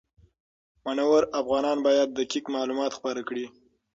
منور افغانان باید دقیق معلومات خپاره کړي.